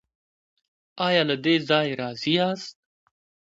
ایا له دې ځای راضي یاست؟